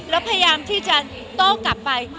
แล้วพยายามที่จะโต้กลับไป